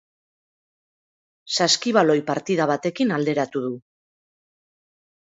Saskibaloi partida batekin alderatu du.